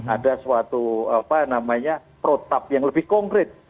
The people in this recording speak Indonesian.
ada suatu protap yang lebih konkret